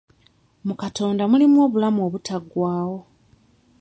Mu Katonda mulimu obulamu obutaggwawo.